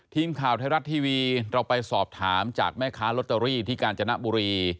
ทีมข่าวไทยรัฐทีวีเราไปสอบถามจากแม่ค้าลอตเตอรี่ที่กาญจนบุรี